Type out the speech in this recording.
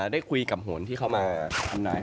ได้คุยกับโหนที่เขามาทำนาย